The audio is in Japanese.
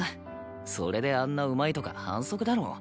それであんなうまいとか反則だろ。